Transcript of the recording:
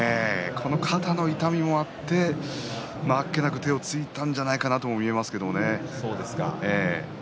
左の肩の痛みもあってあっけなく手をついたんじゃないかなと見えますけどね。